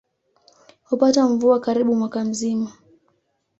Hupata mvua karibu mwaka mzima.